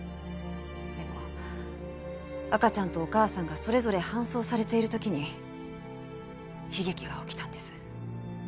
でも赤ちゃんとお母さんがそれぞれ搬送されている時に悲劇が起きたんです。